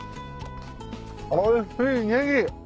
おいしいネギ。